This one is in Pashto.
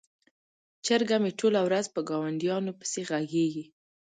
چرګه مې ټوله ورځ په ګاونډیانو پسې غږیږي.